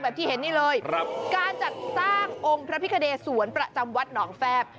ที่เห็นนี่เลยครับการจัดสร้างองค์พระพิคเนสวนประจำวัดหนองแฟบ